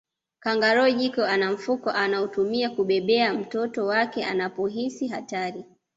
Kangaroo jike ana mfuko anaotumia kubebea mtoto wake anapohisi hatari